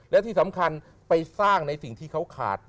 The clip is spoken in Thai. และที่สำคัญไปสร้างในสิ่งที่เขาขาด